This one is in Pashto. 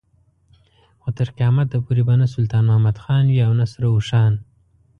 خو تر قيامت پورې به نه سلطان محمد خان وي او نه سره اوښان.